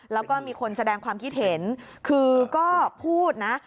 แล้วก็มีคนแสดงความคิดเห็นคือก็พูดนะ